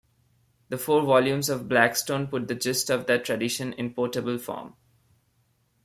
The four volumes of Blackstone put the gist of that tradition in portable form.